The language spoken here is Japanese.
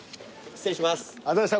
失礼します。